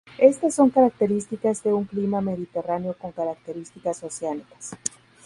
Estas son características de un Clima Mediterráneo con características oceánicas.